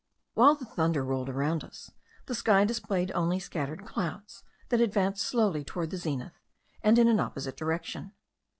While the thunder rolled around us, the sky displayed only scattered clouds, that advanced slowly toward the zenith, and in an opposite direction.